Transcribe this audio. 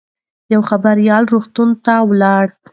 یو خبریال روغتون ته ولاړ.